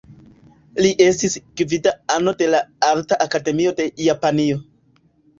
Li estis gvida ano de la Arta Akademio de Japanio.